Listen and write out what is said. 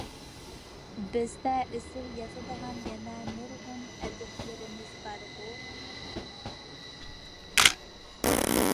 بىزدە ئېسىل يازىدىغان يەنە نۇرغۇن ئەدىبلىرىمىز بارغۇ.